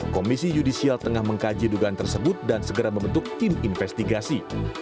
komisi yudisial tengah mengkaji dugaan tersebut dan segera membentuk tim investigasi